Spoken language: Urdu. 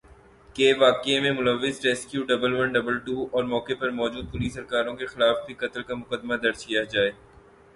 کہ واقعہ میں ملوث rescue double one double two اور موقع پر موجود پولیس اہلکاروں کے خلاف بھی قتل کا مقدمہ درج کیا جائے